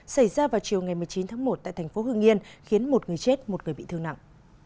xảy ra vào chiều ngày một mươi chín tháng một tại thành phố hưng yên khiến một người chết một người bị thương nặng